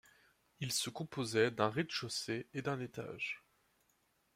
Il se composait d'un rez-de-chaussée et d'un étage.